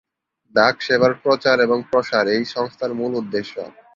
ডাক সেবার প্রচার এবং প্রসার এই সংস্থার মূল উদ্দেশ্য।